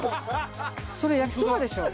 それ焼きそばでしょ？